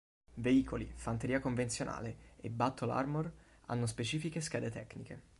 Veicoli, fanteria convenzionale e Battle Armor, hanno specifiche schede tecniche.